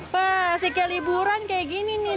wah suka liburan kayak gini nih